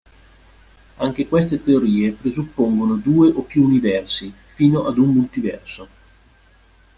Anche queste teorie presuppongono due o più universi, fino ad un multiverso.